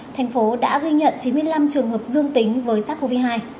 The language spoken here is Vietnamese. thành phố đã ghi nhận chín mươi năm trường hợp dương tính với sars cov hai